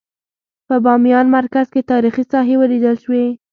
په بامیان مرکز کې تاریخي ساحې ولیدل شوې.